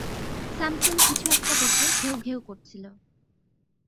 Samson কিছু একটা দেখে ঘেউ ঘেউ করছিল।